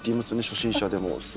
初心者でも。